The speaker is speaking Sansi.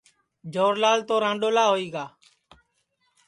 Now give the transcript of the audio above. جوھر لال تو رانڈولا ہوئی گا